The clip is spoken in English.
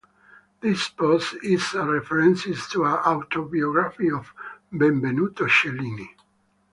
This post is a reference to the autobiography of Benvenuto Cellini.